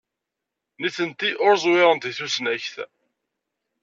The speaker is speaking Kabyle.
Nitenti ur ẓwirent deg tusnakt.